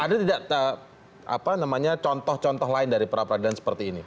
ada tidak contoh contoh lain dari pra peradilan seperti ini